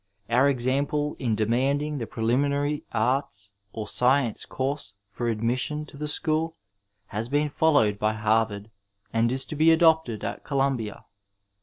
Our example in de manding the preliminary arts or science course for admission to the school has been followed by Harvard, and is to be adopted at Columbia.